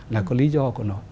là có lý do của nó